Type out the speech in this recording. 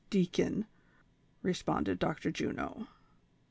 deacon," responded Dr. Juno.